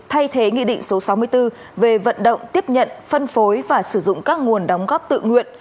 thay thế nghị định số sáu mươi bốn về vận động tiếp nhận phân phối và sử dụng các nguồn đóng góp tự nguyện